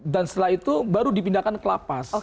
dan setelah itu baru dipindahkan ke lapas